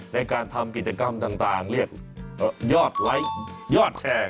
ในการทำกิจกรรมต่างเรียกยอดไลค์ยอดแชร์